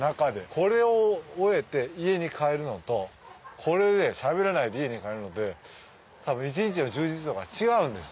これを終えて家に帰るのとしゃべらないで家に帰るので多分一日の充実度が違うんです。